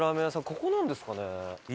ここなんですかね？